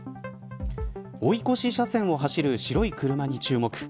追い越し車線を走る白い車に注目。